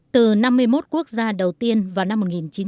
từ năm mươi một quốc gia đầu tiên vào năm một nghìn chín trăm bốn mươi năm